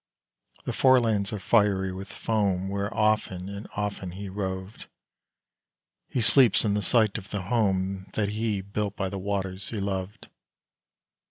The forelands are fiery with foam Where often and often he roved; He sleeps in the sight of the home That he built by the waters he loved.